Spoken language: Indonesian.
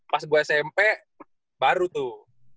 pas gue smp baru tuh